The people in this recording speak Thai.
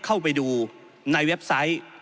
เข้าไปดูในเว็บไซต์